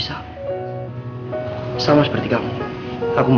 dan hidup di roj nearby